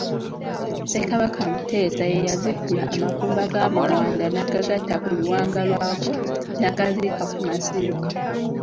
Ssekabaka Mutesa ye yaziikula amagumba ga Mawanda n'agagatta ku luwanga lwago n'agaziika ku masiro.